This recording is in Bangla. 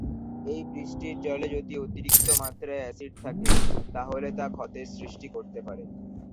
এই বৃষ্টির পানিতে যদি অতিরিক্ত মাত্রায় এসিড থাকে তাহলে তা ক্ষতের সৃষ্টি করতে পারে।